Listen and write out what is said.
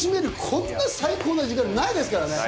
こんな最高な時間ないですからね。